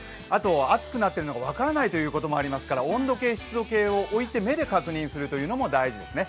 暑くなっているのが分からないということもありますから、温度計、湿度計を置いて目で確認するのも大事ですね。